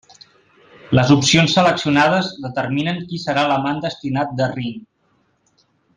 Les opcions seleccionades determinen qui serà l'amant destinat de Rin.